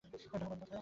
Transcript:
টাকা পাবে কোথায়?